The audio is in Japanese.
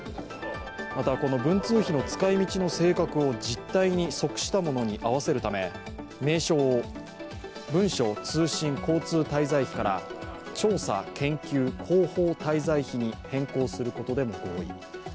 また、この文通費の使い道の性格を実態に即したものに合わせるため、名称を文書通信交通滞在費から調査研究広報滞在費に変更することでも合意。